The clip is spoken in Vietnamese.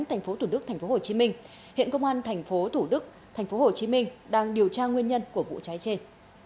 tp thủ đức tp hcm hiện công an tp thủ đức tp hcm đang điều tra nguyên nhân của vụ cháy trên